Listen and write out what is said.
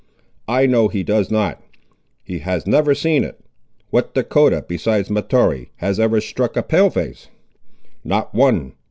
I know he does not; he has never seen it. What Dahcotah, besides Mahtoree, has ever struck a Pale face? Not one.